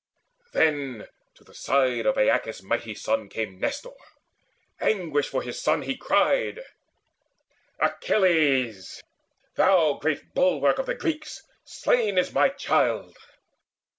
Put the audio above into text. Then to the side of Aeacus' mighty son Came Nestor. Anguished for his son he cried: "Achilles, thou great bulwark of the Greeks, Slain is my child!